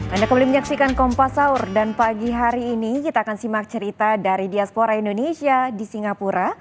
anda kembali menyaksikan kompas sahur dan pagi hari ini kita akan simak cerita dari diaspora indonesia di singapura